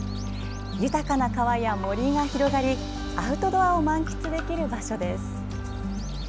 豊かな川や森が広がりアウトドアを満喫できる場所です。